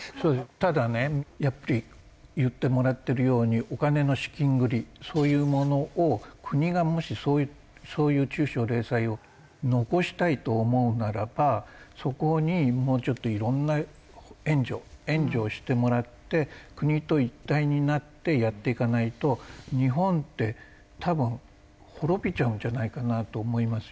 ただねやっぱり言ってもらってるようにお金の資金繰りそういうものを国がもしそういう中小零細を残したいと思うならばそこにもうちょっといろんな援助をしてもらって国と一体になってやっていかないと日本って多分滅びちゃうんじゃないかなと思いますよね。